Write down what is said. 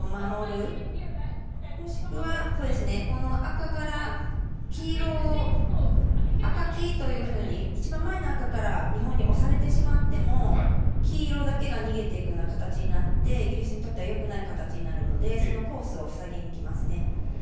もしくは、赤から黄色を赤、黄というように一番前の赤から日本に押されてしまっても黄色だけが逃げていく形になってイギリスにとってはよくない形になるのでそのコースを塞ぎに来ますね。